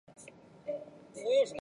这项工程由中国承建。